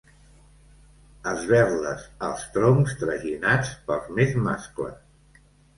Esberles els troncs traginats pels més mascles.